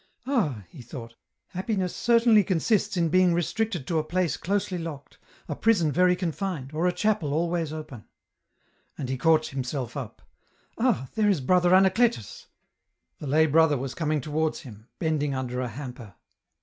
" Ah !" he thought, " happiness certainly consists in being restricted to a place closely locked, a prison very confined, or a chapel always open," and he caught himself up :" Ah ! there is Brother Anacletus ;" the lay brother was coming towards him, bending under a hamper.